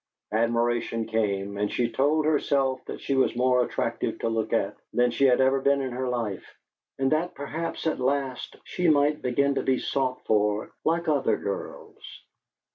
Admiration came and she told herself that she was more attractive to look at than she had ever been in her life, and that, perhaps, at last she might begin to be sought for like other girls.